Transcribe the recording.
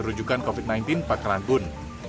rujukan covid sembilan belas pangkalan bun